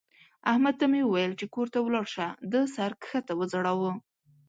احمد ته مې وويل چې کور ته ولاړ شه؛ ده سر کښته وځړاوو.